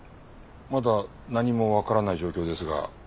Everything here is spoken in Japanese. まだ何もわからない状況ですが。